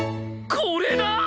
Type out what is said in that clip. これだー！！